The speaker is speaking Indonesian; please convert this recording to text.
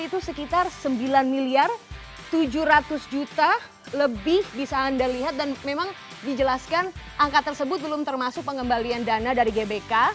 dan itu sekitar sembilan miliar tujuh ratus juta lebih bisa anda lihat dan memang dijelaskan angka tersebut belum termasuk pengembalian dana dari gbk